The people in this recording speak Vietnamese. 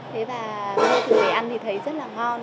thế mà mua thử về ăn thì thấy rất là ngon